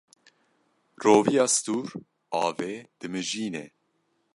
Roviya stûr avê dimijîne.